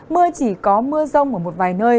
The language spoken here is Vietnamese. mưa chỉ có mưa rông ở một vài nơi